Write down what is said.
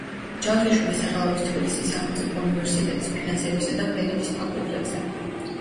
ჯავახიშვილის სახელობის თბილისის სახელმწიფო უნივერსიტეტის ფინანსებისა და კრედიტის ფაკულტეტზე.